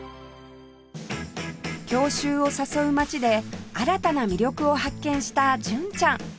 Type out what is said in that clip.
郷愁を誘う街で新たな魅力を発見した純ちゃん